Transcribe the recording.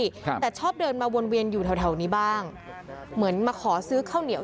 ครับแต่ชอบเดินมาวนเวียนอยู่แถวแถวนี้บ้างเหมือนมาขอซื้อข้าวเหนียว